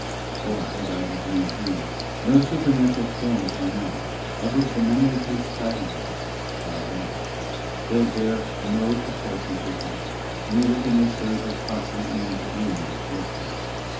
For, as I have before maintained, no supernatural forms or knowledge, of which the memory takes cognizance, are God: they bear no proportion to Him, neither can they serve as proximate means of union with Him.